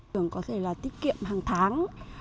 tưởng có thể là tiết kiệm hàng tháng